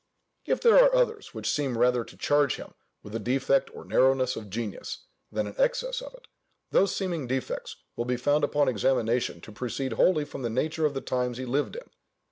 If there are others which seem rather to charge him with a defect or narrowness of genius, than an excess of it, those seeming defects will be found upon examination to proceed wholly from the nature of the times he lived in.